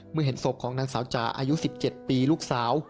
เมื่อเห็นศพของนางสาวจ๋าอายุสิบเจ็ดปีลูกสาว